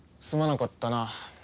すまなかったな。